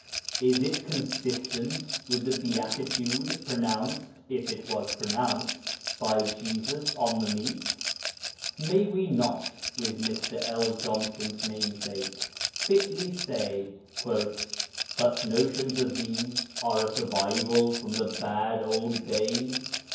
Is it consistent with the Beatitude pronounced (if it was pronounced) by Jesus on the meek? May we not, with Mr. L. Johnston's namesake, fitly say, 'Such notions as these are a survival from the bad old days'?